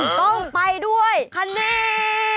ต้องไปด้วยคันนี้